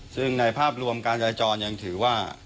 ซึ่งในภาพรวมการจราจรยังถือว่า